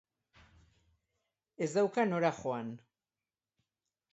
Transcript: Ez dauka nora joan.